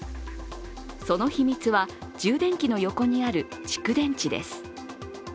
その秘密は充電器の横にある蓄電池です。